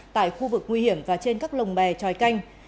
tại khu vực nguy hiểm và trên các lồng bè tròi canh